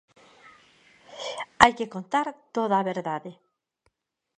Hai que contar toda a verdade.